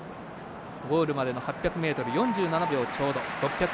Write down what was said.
ゴールまでの８００ｍ４７秒ちょうど。